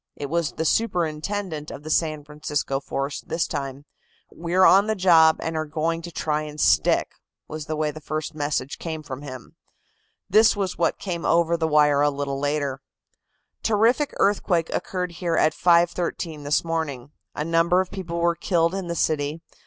It was the superintendent of the San Francisco force this time. "We're on the job, and are going to try and stick," was the way the first message came from him. This was what came over the wire a little later: "Terrific earthquake occurred here at 5.13 this morning. A number of people were killed in the city.